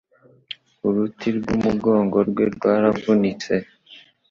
uruti rw'umugongo rwe rwaravunitse